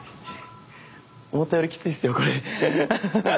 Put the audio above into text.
思ったよりきついっすよこれ。